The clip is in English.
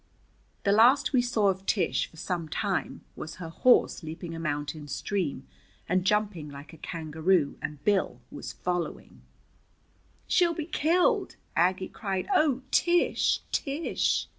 The last we saw of Tish for some time was her horse leaping a mountain stream, and jumping like a kangaroo, and Bill was following. "She'll be killed!" Aggie cried. "Oh, Tish, Tish!"